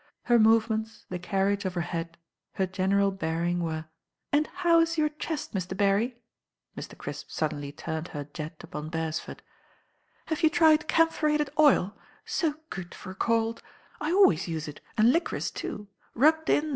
Her movements. tl« ^age of her head, her general bearing "And how is your chest, Mr. Berry?" Mrs. Cnsp suddenly turned her jet upon BeresfoiS roi T^? "'"^ camphoratedK>il? So good for a cold I always use It, and liquorice too. Rubbed in